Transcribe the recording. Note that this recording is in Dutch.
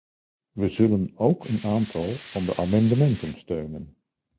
We zullen ook een aantal van de amendementen steunen.